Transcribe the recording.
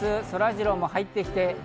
そらジローも入って来て。